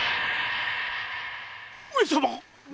上様！